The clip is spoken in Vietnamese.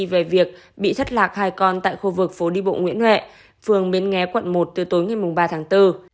về việc bị thất lạc hai con tại khu vực phố đi bộ nguyễn huệ phường bến nghé quận một từ tối ngày ba tháng bốn